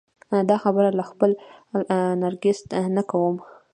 دا خبره له خپل نرګسیت نه کوم.